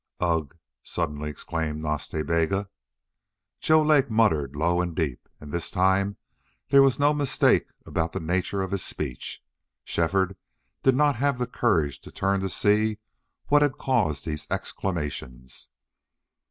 "Ugh!" suddenly exclaimed Nas Ta Bega. Joe Lake muttered low and deep, and this time there was no mistake about the nature of his speech. Shefford did not have the courage to turn to see what had caused these exclamations.